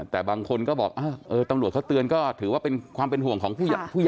แต่บางคนก็บอกตำรวจเขาเตือนก็ถือว่าเป็นความเป็นห่วงของผู้หญิง